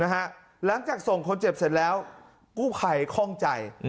หลังจากส่งคนเจ็บเสร็จแล้วกู้ภัยคล่องใจ